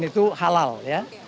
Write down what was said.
dan itu halal ya